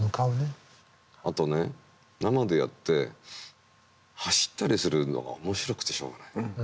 あとね生でやって走ったりするのが面白くてしょうがない。